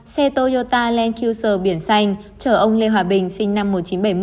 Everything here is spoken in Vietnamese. xe toyota land cruiser biển xanh chở ông lê hòa bình sinh năm một nghìn chín trăm bảy mươi